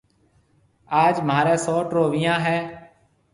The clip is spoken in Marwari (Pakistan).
آج مهاريَ سئوٽ رو ويهان هيَ۔